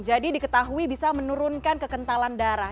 jadi diketahui bisa menurunkan kekentalan darah